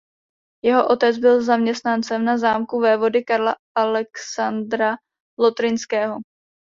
Jeho otec byl zaměstnancem na zámku vévody Karla Alexandra Lotrinského.